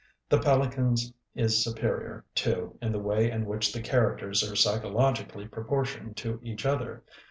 The Pelicans is superior, too, in the way in which the characters are psycho logically proportioned to each other.